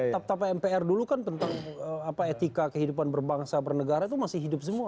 tapi tapa mpr dulu kan tentang etika kehidupan berbangsa bernegara itu masih hidup semua